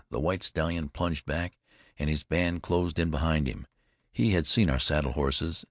The white stallion plunged back, and his band closed in behind him. He had seen our saddle horses.